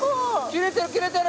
切れてる切れてる。